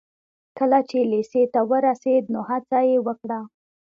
کله چې لېسې ته ورسېد نو هڅه يې وکړه.